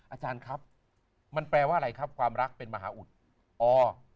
อาจารย์ครับมันแปลว่าอะไรครับความรักเป็นมหาอุทธิ์อ๋อ